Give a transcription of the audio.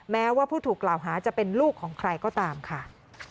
แม้ว่าผู้ถูกกล่าวหาจะเป็นลูกของใครก็ตามค่ะ